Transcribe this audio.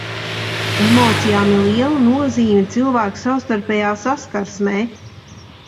Emocijām ir liela nozīme cilvēku savstarpējā saskarsmē.